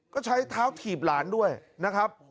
ก็ใช้เท้าถีบหลานด้วยนะครับ